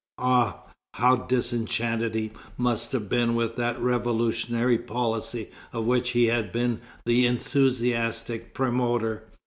Ah! how disenchanted he must have been with that revolutionary policy of which he had been the enthusiastic promoter!